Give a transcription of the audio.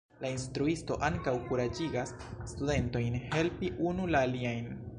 La instruisto ankaŭ kuraĝigas studentojn helpi unu la aliajn.